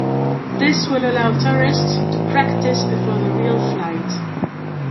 This will allow tourists to practice before the real flight.